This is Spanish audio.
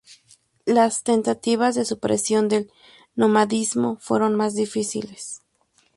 Las tentativas de supresión del nomadismo fueron más difíciles.